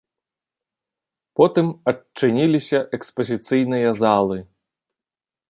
Потым адчыніліся экспазіцыйныя залы.